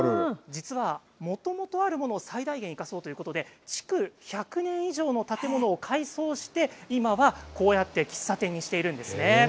実はもともとあるものを最大限、生かそうということで築１００年以上の建物を改装して今は、こうやって喫茶店にしているんですね。